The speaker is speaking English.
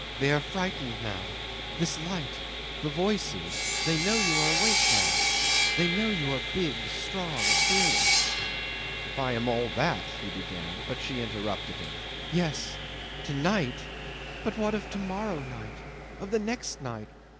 "They are frightened now this light the voices. They know you are awake now they know you are big, strong, fearless ..." "If I am all that," he began; but she interrupted him: "Yes to night! But what of to morrow night? Of the next night?